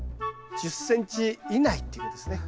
１０ｃｍ以内っていうことですね。